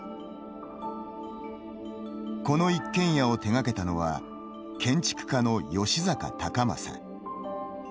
この一軒家を手がけたのは建築家の吉阪隆正。